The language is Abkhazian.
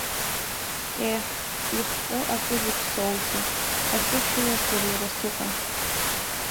Еҳ, ихҟьо акы зыԥсоузеи, асы шәыласыриара сыҟан!